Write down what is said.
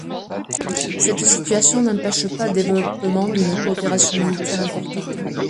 Cette situation n'empêche pas le développement d'une coopération militaire importante.